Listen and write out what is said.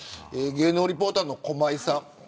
芸能リポーターの駒井さん